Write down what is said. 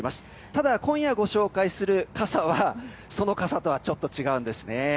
ただ、今夜ご紹介する傘はその傘とはちょっと違うんですね。